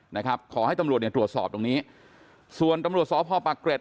นะครับขอให้ตำรวจตรวจสอบตรงนี้ส่วนตำรวจสอบพ่อปรักเกร็จ